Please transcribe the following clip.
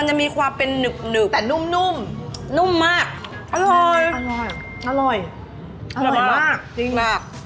จะมีความเป็นหนึบแต่นุ่มนุ่มนุ่มมากอร่อยอร่อยมากจริงมาก